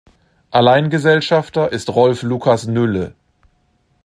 Alleingesellschafter ist Rolf Lucas-Nülle.